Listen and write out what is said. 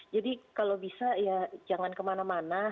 kalau bisa ya jangan kemana mana